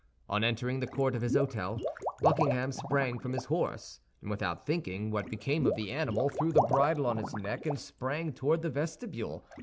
On entering the court of his hôtel, Buckingham sprang from his horse, and without thinking what became of the animal, threw the bridle on his neck, and sprang toward the vestibule.